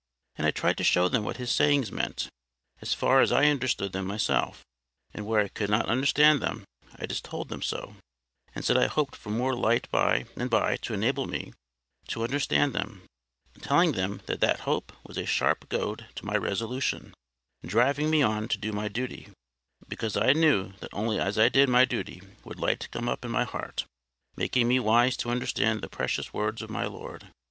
And I tried to show them what His sayings meant, as far as I understood them myself, and where I could not understand them I just told them so, and said I hoped for more light by and by to enable me to understand them; telling them that that hope was a sharp goad to my resolution, driving me on to do my duty, because I knew that only as I did my duty would light go up in my heart, making me wise to understand the precious words of my Lord.